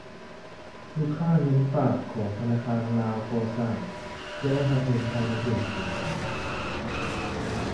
ລູກຄ້າເງິນຝາກ ຂອງທະນາຄານລາວກໍ່ສ້າງ ຈະໄດ້ຮັບເງິນພາຍໃນເດືອນສິງຫາ